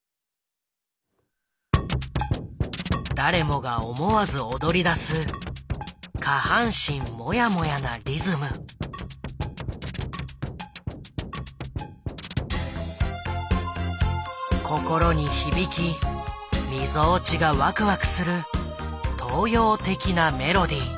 誰もが思わず踊りだす心に響きみぞおちがワクワクする東洋的なメロディー。